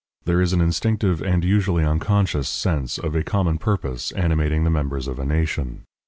There is an instinctive and usually unconscious sense of a common purpose animating the members of a nation.